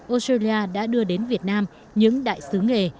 australia đã đưa đến việt nam những đại sứ nghề